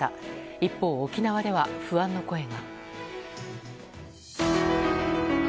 一方、沖縄では不安の声が。